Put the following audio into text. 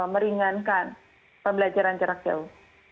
meringankan pembelajaran jarak jauh